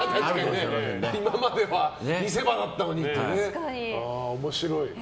そこまでは見せ場だったのにってね。